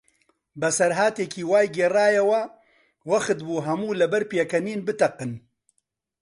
بەسەرهاتێکی وای گێڕایەوە، وەختبوو هەموو لەبەر پێکەنین بتەقن.